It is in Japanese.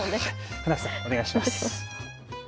船木さん、お願いします。